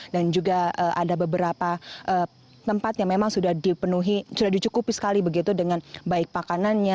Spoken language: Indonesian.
dan juga ada beberapa tempat yang memang sudah dipenuhi sudah dicukupi sekali begitu dengan baik pakanannya